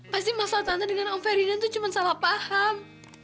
pasti masalah tante dengan om ferdinand itu cuma salah paham